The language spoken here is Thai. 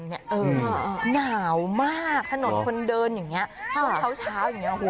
หนาวมากถนนคนเดินอย่างนี้ช่วงเช้าอย่างนี้